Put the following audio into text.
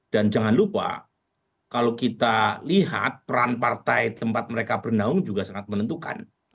dan jangan lupa kalau kita lihat peran partai tempat mereka berendahung juga sangat menentukan